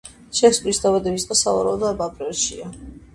შექსპირის დაბადების დღე სავარაუდოდ აპრილშია.